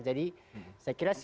jadi saya kira sih